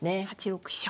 ８六飛車。